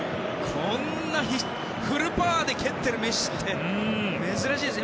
こんなフルパワーで蹴ってるメッシって珍しいですよね。